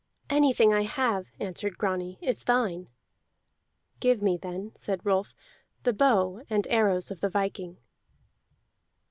"Anything I have," answered Grani, "is thine." "Give me then," said Rolf, "the bow and arrows of the viking."